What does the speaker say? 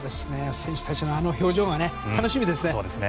選手たちの、あの表情がね楽しみですね！